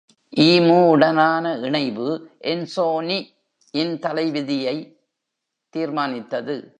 E-mu உடனான இணைவு Ensoniq இன் தலைவிதியை தீர்மானித்தது.